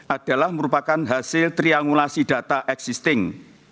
adalah merupakan hasil triangulasi data existing